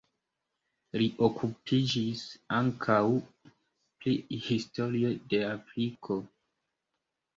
Li okupiĝis ankaŭ pri historio de Afriko.